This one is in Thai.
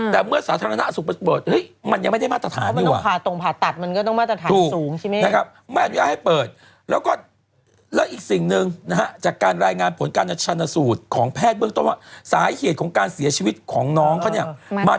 แต่เมื่อสาธารณสุขไปเปิดเฮ้ยมันยังไม่ได้มาตรฐานดีกว่า